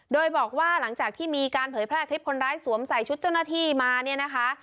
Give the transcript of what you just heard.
โดยบอกว่าหลังจากที่มีการเผยแพร่คลิปคนร้ายสวมใส่ชุดเจ้าหน้าที่มาเนี่ยนะคะ